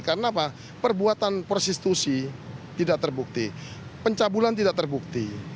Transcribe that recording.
karena apa perbuatan persistusi tidak terbukti pencabulan tidak terbukti